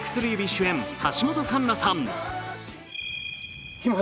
主演橋本環奈さん。